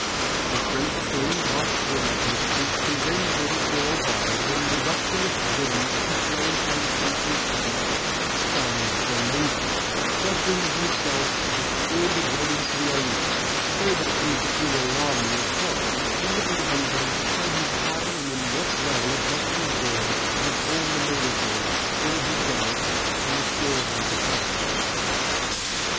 The French king asks the Magnificent to lend him for a while the miraculous ring of the Florentine patron saint, San Zanobi, pledging himself to restore the ring to the owners very likely the Girolami of Florence and begging Lorenzo to tell him how and in what way it must be worn to perform the miracle, cure his gout and restore him to health.